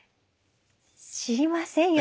知りませんよ